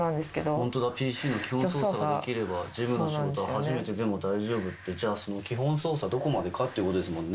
本当だ、ＰＣの基本操作ができれば、事務のお仕事は初めてでも大丈夫って、じゃあ、基本操作、どこまでかってことですよね。